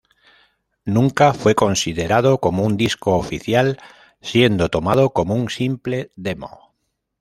Nunca fue considerado como un disco oficial, siendo tomado como un simple "demo".